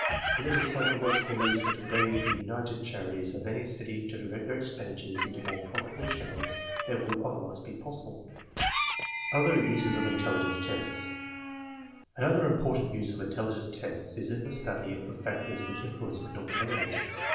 A little psychological research would aid the united chari ties of any city to direct their expenditures into more profit able channels than would otherwise be jxxssible, Other uses of intelligence tests* Another important uao USES OF INTELLIGENCE TESTS 19 of intelligence tests is in the study of the factors which influence mental development.